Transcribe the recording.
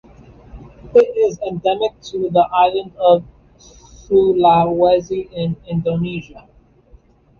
It is endemic to the island of Sulawesi in Indonesia.